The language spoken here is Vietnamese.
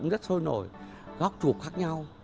rồi góp chuộc khác nhau